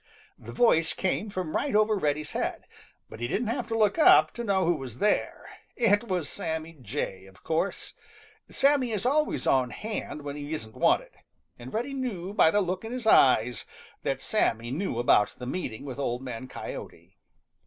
The voice came from right over Reddy's head, but he didn't have to look up to know who was there. It was Sammy Jay, of course. Sammy is always on hand when he isn't wanted, and Reddy knew by the look in his eyes that Sammy knew about the meeting with Old Man Coyote.